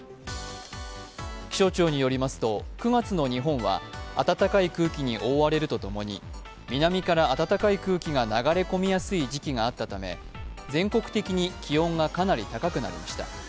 気象庁によりますと９月の日本は暖かい空気に覆われるとともに南から暖かい空気が流れ込みやすい時期があったため、全国的に気温がかなり高くなりました。